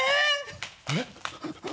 えっ？